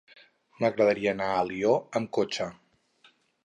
M'agradaria anar a Alió amb cotxe.